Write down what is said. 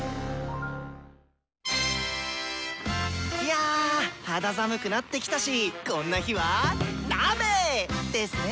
や肌寒くなってきたしこんな日は鍋！ですね。